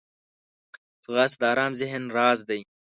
ځغاسته د ارام ذهن راز دی